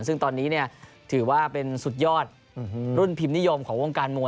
ซึ่งตอนนี้ถือว่าเป็นสุดยอดรุ่นพิมพ์นิยมของวงการมวย